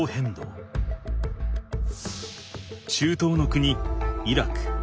中東の国イラク。